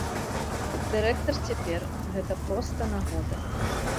Дырэктар цяпер, гэта проста нагода.